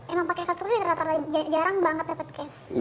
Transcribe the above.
emang pakai kartu kredit jarang banget dapet cash